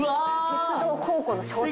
鉄道高校の昭鉄？